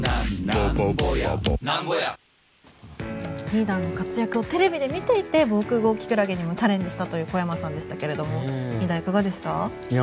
リーダーの活躍をテレビで見ていて防空壕きくらげにもチャレンジしたという小山さんでしたがリーダーいかがでした？